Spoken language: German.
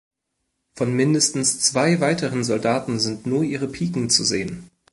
Von mindestens zwei weiteren Soldaten sind nur ihre Piken zu sehen.